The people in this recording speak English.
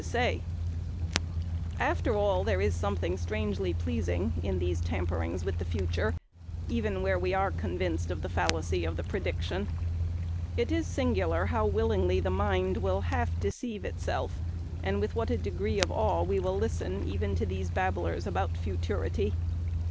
[Illustration: A Gipsy Party] After all, there is something strangely pleasing in these tamperings with the future, even where we are convinced of the fallacy of the prediction. It is singular how willingly the mind will half deceive itself, and with what a degree of awe we will listen even to these babblers about futurity.